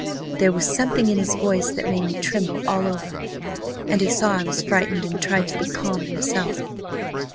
There was something in his voice that made me tremble all over, and he saw I was frightened and tried to be calm himself.